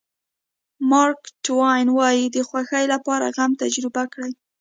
مارک ټواین وایي د خوښۍ لپاره غم تجربه کړئ.